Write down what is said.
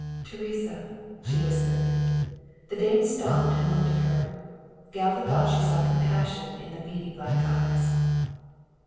"Teresa," she whispered. The dame stopped and looked at her. Galva thought she saw compassion in the beady black eyes.